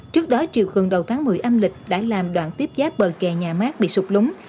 trước đó chiều cường đầu tháng một mươi âm lịch đã làm đoạn tiếp giáp bờ kè nhà mát bị sụt lún